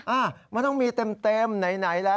อ่ะมันต้องมีเต็มไหนแล้ว